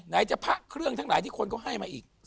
ไหนจะพระเครื่องทั้งหลายที่คนก็ให้มาอีก